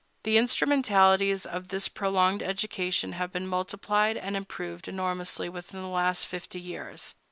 The instrumentalities of this prolonged education have been multiplied and improved enormously within the last fifty years.